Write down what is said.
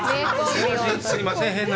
すいません、変な。